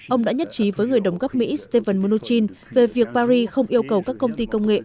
ông đã nhất trí với người đồng cấp mỹ stephen mnuchin về việc paris không yêu cầu các công ty công nghệ